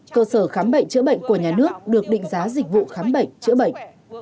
cơ sở khám bệnh chữa bệnh của nhà nước được định giá dịch vụ khám bệnh chữa bệnh